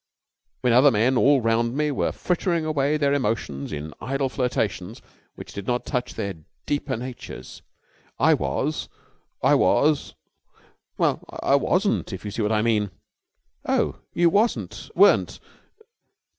When other men all round me were frittering away their emotions in idle flirtations which did not touch their deeper natures, I was ... I was ... well, I wasn't, if you see what I mean." "Oh, you wasn't ... weren't